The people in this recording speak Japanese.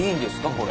これ。